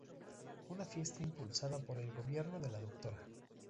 Una Fiesta impulsada por el gobierno de la Dra.